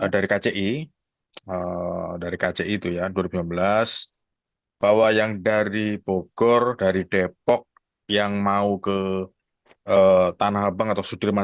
dari kci dari kci itu ya dua ribu sembilan belas bahwa yang dari bogor dari depok yang mau ke tanah abang atau sudirman